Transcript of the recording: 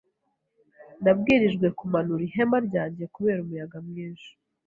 Nabwirijwe kumanura ihema ryanjye kubera umuyaga mwinshi.